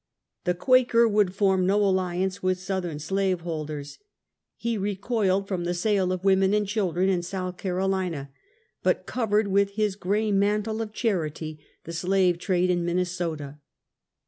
The Quaker would form no alliance with Southern slave holders. He recoiled from the sale of women and children in South Carolina, but covered with his gray mantle of charity the slave trade in Minnesota.